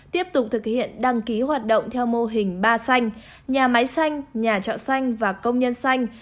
tiếp tục thực hiện đăng ký hoạt động theo mô hình ba xanh nhà máy xanh nhà trọ xanh và công nhân xanh